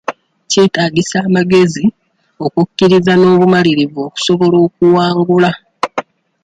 Kyetaagisa amagezi, okukkiriza n'obumalirivu okusobola okuwangula.